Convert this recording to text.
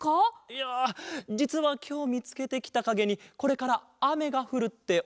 いやじつはきょうみつけてきたかげにこれからあめがふるっておそわってなあ。